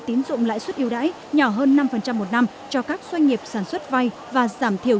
tín dụng lãi suất yêu đãi nhỏ hơn năm một năm cho các doanh nghiệp sản xuất vay và giảm thiểu